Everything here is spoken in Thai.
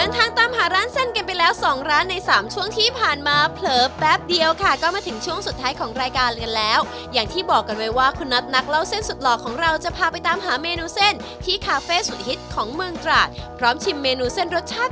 ผ่านมาผ่านมาเผลอแป๊บเดียวค่ะก็มาถึงช่วงสุดท้ายของรายการแล้วอย่างที่บอกกันไว้ว่าคุณนักเล่าเส้นสุดหลอกของเราจะพาไปตามหาเมนูเส้นที่คาเฟ่สุดฮิตของเมืองตราจพร้อมชิมเมนูเส้นรสชาติ